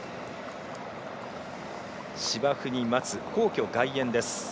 芝生に皇居外苑です。